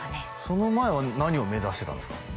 その前は何を目指してたんですか？